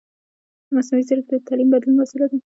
مصنوعي ځیرکتیا د تعلیمي بدلون وسیله ده.